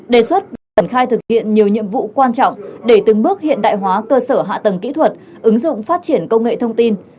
đề xuất việc triển khai thực hiện nhiều nhiệm vụ quan trọng để từng bước hiện đại hóa cơ sở hạ tầng kỹ thuật ứng dụng phát triển công nghệ thông tin